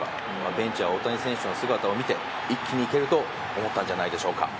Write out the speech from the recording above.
ベンチは大谷選手の姿を見て一気に行ける！と思ったんじゃないでしょうか。